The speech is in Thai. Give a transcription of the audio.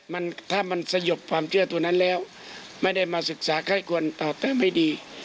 มันถ้ามันสยบความเชื่อตัวนั้นแล้วไม่ได้มาศึกษาใครควรตอบแต่ไม่ดี